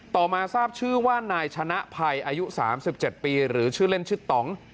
ต่อมาทราบชื่อว่านายชนะภัยอายุ๓๗ปีหรือชื่อเล่นชื่อต่อง